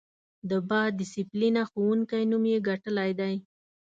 د با ډسیپلینه ښوونکی نوم یې ګټلی دی.